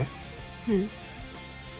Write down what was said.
うん。